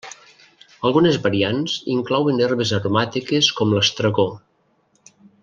Algunes variants inclouen herbes aromàtiques com l'estragó.